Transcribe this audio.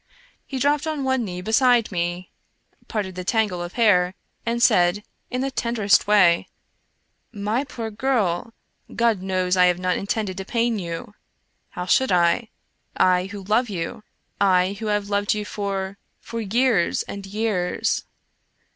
He dropped on one knee be side me, parted the tangle of hair, and said, in the tenderest way :" My poor girl, God knows I have not intended to pain you. How should I ?— I who love you — I who have loved you for — for years and years